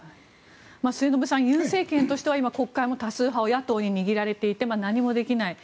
末延さん尹政権としては国会は多数派は野党に握られていて何もできない。